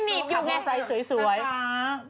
ตอนนี้ยังแข็งทะสา